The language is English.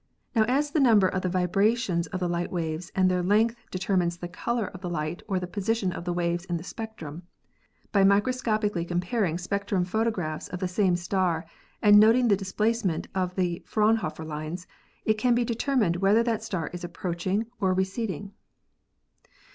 Now as the number of the vibrations of the light waves and their length deter mine the color of light or the position of waves in the spectrum, by microscopically comparing spectrum photo graphs of the same star and noting the displacement of the Fraunhofer lines it can be determined whether that star is approaching or receding.